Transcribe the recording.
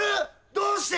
どうして？